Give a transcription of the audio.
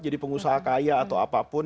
jadi pengusaha kaya atau apapun